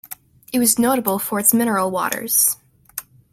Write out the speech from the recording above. It was notable for its mineral waters.